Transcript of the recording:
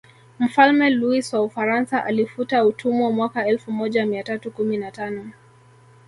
Mfalme Luis wa Ufaransa alifuta utumwa mwaka elfu moja mia tatu kumi na tano